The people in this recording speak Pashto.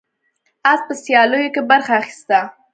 اس په سیالیو کې برخه اخیسته.